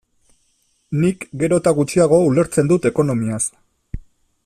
Nik gero eta gutxiago ulertzen dut ekonomiaz.